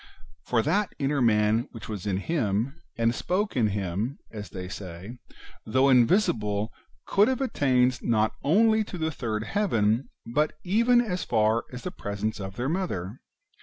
For that inner man which was in him, and spoke in him, as they say, though invisible, could have attained not only to the third heaven, but even as far as the presence of their Mother.